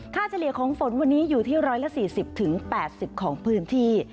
เฉลี่ยของฝนวันนี้อยู่ที่๑๔๐๘๐ของพื้นที่